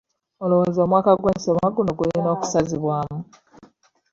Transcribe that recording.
Olowooza omwaka gw'ebyensoma guno gulina okusazibwamu?